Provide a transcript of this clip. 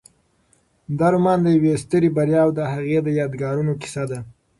دا رومان د یوې سترې بریا او د هغې د یادګارونو کیسه ده.